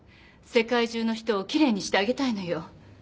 世界中の人を奇麗にしてあげたいのよ。